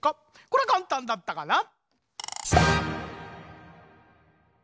こりゃかんたんだったかな？